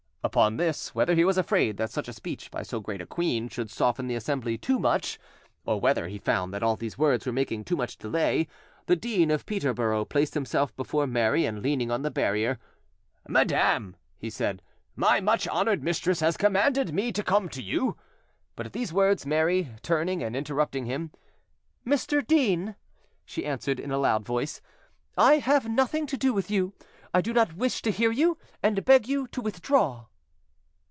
Upon this, whether he was afraid that such a speech by so great a queen should soften the assembly too much, or whether he found that all these words were making too much delay, the Dean of Peterborough placed himself before Mary, and, leaning on the barrier— "Madam," he said, "my much honoured mistress has commanded me to come to you—" But at these words, Mary, turning and interrupting him: "Mr. Dean," she answered in a loud voice, "I have nothing to do with you; I do not wish to hear you, and beg you to withdraw."